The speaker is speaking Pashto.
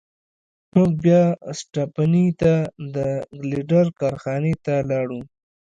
موږ بیا سټپني ته د ګیلډر کارخانې ته لاړو.